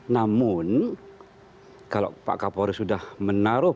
namun kalau pak kapolri sudah menaruh